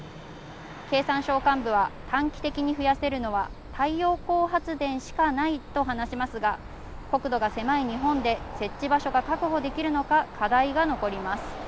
経産省幹部は短期的に増やせるのは太陽光発電しかないと話しますが、国土が狭い日本で設置場所が確保できるのか課題が残ります。